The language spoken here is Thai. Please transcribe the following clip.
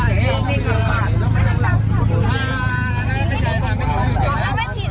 อ่านั่นไม่ใช่นั่นไม่ผิด